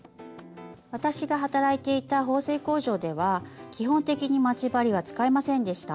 私が働いていた縫製工場では基本的に待ち針は使いませんでした。